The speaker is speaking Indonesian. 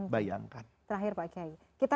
bayangkan terakhir pak kiai kita